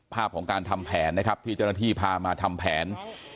ภาพของการทำแผนนะครับที่เจ้าหน้าที่พามาทำแผน